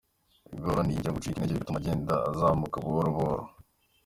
Igor ntiyigiramo gucika intenge bigatuma agenda azamuka buhobuhoro.